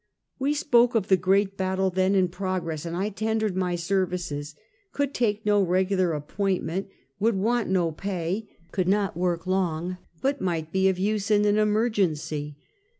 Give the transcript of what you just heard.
We spoke of the great battle then in progress, and I tendered my services, could take no regular appointment, would want no pay, could not work long; but might be of use in an emergency!